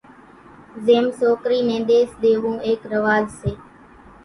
زيم سوڪرِي نين ۮيس ۮيوون ايڪ رواز سي۔